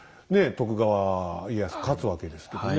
徳川家康が勝つわけですけどね。